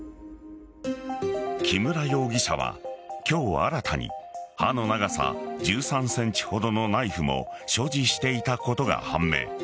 木村容疑者は、今日は新たに刃の長さ１３ｃｍほどのナイフを所持していたことが判明。